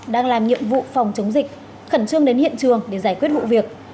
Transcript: đang làm nhiệm vụ phòng chống dịch khẩn trương đến hiện trường để giải quyết vụ việc